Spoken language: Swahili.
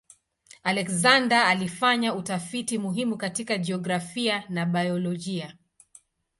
Alexander alifanya utafiti muhimu katika jiografia na biolojia.